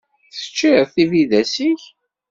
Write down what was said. Teččiḍ tibidas-ik?